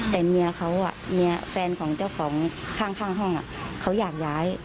แต่เมียเขาเมียแฟนของเจ้าของข้างห้องเขาอยากย้าย